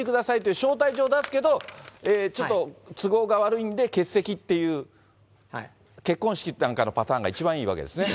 招待状出すけど、ちょっと都合が悪いんで欠席っていう、結婚式なんかのパターンが一番いいわけですね。